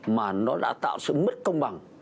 mà nó đã tạo ra sự mất công bằng